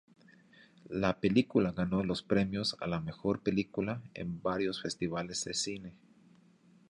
La película ganó los premios a la "Mejor Película" en varios festivales de cine.